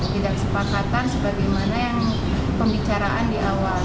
tidak kesepakatan sebagaimana yang pembicaraan di awal